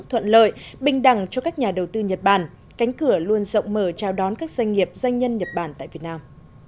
thuận lợi bình đẳng cho các nhà đầu tư nhật bản cánh cửa luôn rộng mở chào đón các doanh nghiệp doanh nhân nhật bản tại việt nam